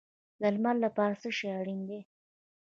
د لمر لپاره څه شی اړین دی؟